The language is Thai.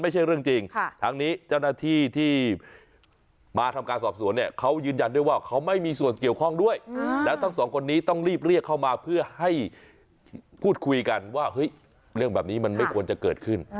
พูดคุยกันว่าเห้ยเรื่องแบบนี้มันไม่ควรจะเกิดขึ้น